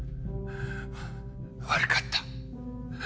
悪かった。